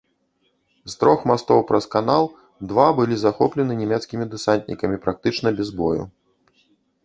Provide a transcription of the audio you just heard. З трох мастоў праз канал два былі захоплены нямецкімі дэсантнікамі практычна без бою.